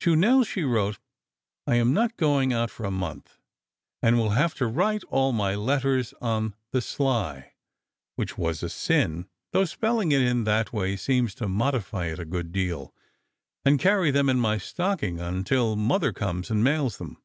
To Nell, she wrote: "I am not going out for a month and will have to write all my letters on the sligh,"—which was a sin, though spelling it in that way seems to modify it a good deal—"and carry them in my stocking until mother comes and mails them."